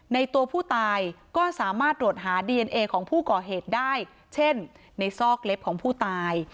ในตัวผู้ตายก็สามารถตรวจหาดีเอนเอของผู้ก่อเหตุได้เช่นในซอกเล็บของผู้ตาย